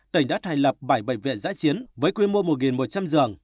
tỉnh đã thành lập bảy bệnh viện giã chiến với quy mô một một trăm linh giường